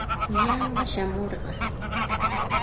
Yanqa shamurqaa.